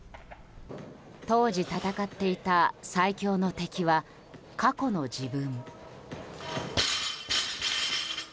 当時戦っていた最強の敵は過去の自分。